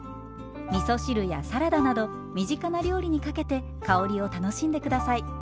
みそ汁やサラダなど身近な料理にかけて香りを楽しんで下さい。